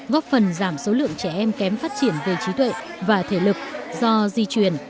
góp phần giảm số lượng trẻ em kém phát triển về trí tuệ và thể lực do di truyền